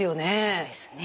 そうですね。